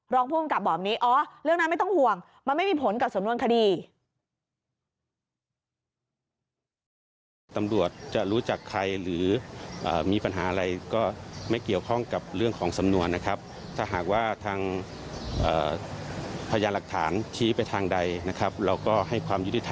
รองผู้อำกับบอกว่านี้อ๋อเรื่องนั้นไม่ต้องห่วง